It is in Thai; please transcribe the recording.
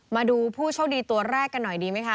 มาดูผู้โชคดีตัวแรกกันหน่อยดีไหมคะ